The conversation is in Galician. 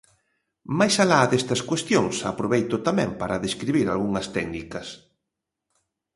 Mais alá destas cuestións, aproveito tamén para describir algunhas técnicas.